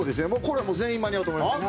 全員間に合うと思います。